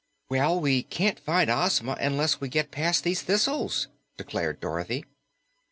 "Well, we can't find Ozma unless we get past these thistles," declared Dorothy.